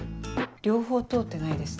両方通ってないですね。